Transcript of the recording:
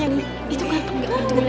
wah sakti ganteng banget